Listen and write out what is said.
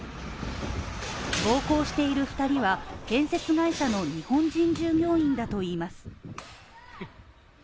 暴行している２人は、建設会社の日本人従業員だといいます。